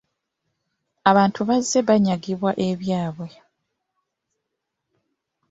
Abantu bazze banyagibwa ebyabwe.